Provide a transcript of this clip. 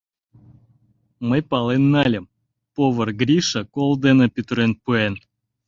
Мый пален нальым: повар Гриша кол дене пӱтырен пуэн.